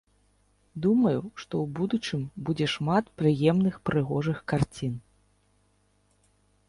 Думаю, што ў будучым будзе шмат прыемных прыгожых карцін.